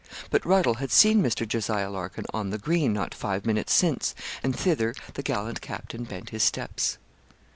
But Ruddle had seen Mr. Jos. Larkin on the green, not five minutes since, and thither the gallant captain bent his steps.